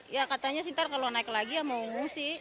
ya katanya nanti kalau naik lagi ya mau mengungsi